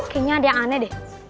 kayaknya ada yang aneh deh